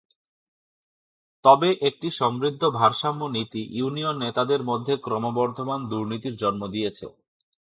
তবে একটি সমৃদ্ধ ভারসাম্য নীতি ইউনিয়ন নেতাদের মধ্যে ক্রমবর্ধমান দুর্নীতির জন্ম দিয়েছে।